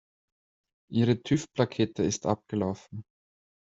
Ihre TÜV-Plakette ist abgelaufen.